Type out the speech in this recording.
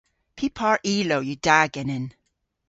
Py par ilow yw da genen?